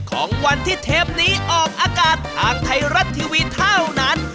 ของวันที่เทปนี้ออกอากาศทางไทยรัฐทีวีเท่านั้น